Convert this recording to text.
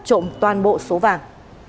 trộm toàn bộ số vàng